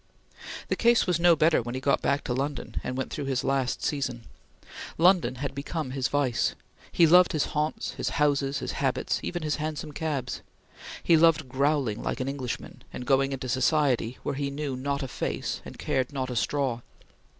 The case was no better when he got back to London and went through his last season. London had become his vice. He loved his haunts, his houses, his habits, and even his hansom cabs. He loved growling like an Englishman, and going into society where he knew not a face, and cared not a straw.